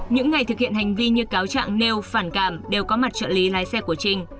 những ngày thực hiện hành vi như cáo trạng nêu phản cảm đều có mặt trợ lý lái xe của trình